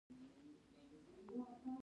په ملي ګټو کې د کارګرانو برخه کمېږي